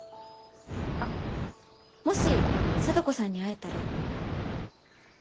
あっもし聡子さんに会えたら。